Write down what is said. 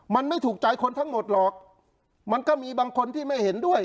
มันไม่ถูกใจคนทั้งหมดหรอกมันก็มีบางคนที่ไม่เห็นด้วย